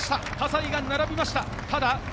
葛西が並びました。